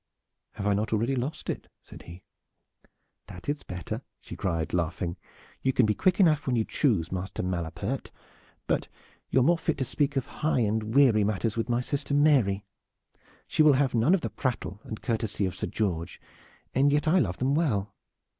"Have I not already lost it?" said he. "That is better," she cried, laughing. "You can be quick enough when you choose, Master Malapert. But you are more fit to speak of high and weary matters with my sister Mary. She will have none of the prattle and courtesy of Sir George, and yet I love them well.